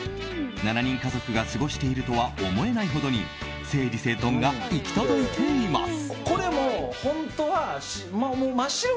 ７人家族が過ごしているとは思えないほどに整理整頓が行き届いています。